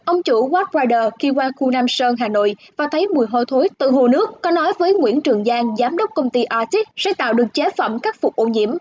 ông chủ wattrider khi qua khu nam sơn hà nội và thấy mùi hô thối từ hồ nước có nói với nguyễn trường giang giám đốc công ty arctic sẽ tạo được chế phẩm cắt phục ô nhiễm